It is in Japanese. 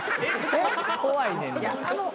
怖いねん。